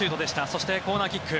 そして、コーナーキック。